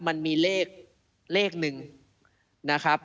มันมีเลขหนึ่งนะครับ